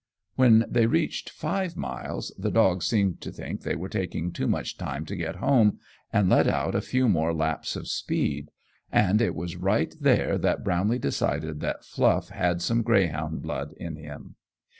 When they reached five miles the dog seemed to think they were taking too much time to get home, and let out a few more laps of speed, and it was right there that Brownlee decided that Fluff had some greyhound blood in him.